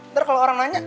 ntar kalau orang nanya